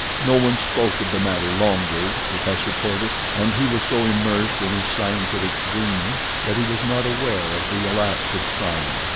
No one spoke of the matter longer to Professor Porter, and he was so immersed in his scientific dreaming that he was not aware of the elapse of time.